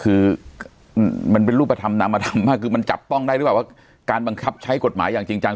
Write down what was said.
คือมันเป็นรูปธรรมนำมาธรรมมากคือมันจับต้องได้หรือเปล่าว่าการบังคับใช้กฎหมายอย่างจริงจัง